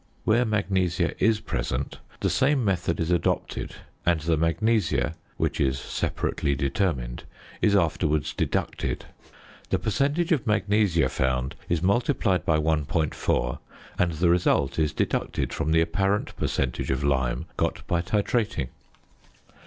Where magnesia is present, the same method is adopted, and the magnesia (which is separately determined) is afterwards deducted. The percentage of magnesia found is multiplied by 1.4, and the result is deducted from the apparent percentage of lime got by titrating.